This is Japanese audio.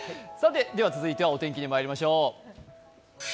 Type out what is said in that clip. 続いてはお天気にまいりましょう。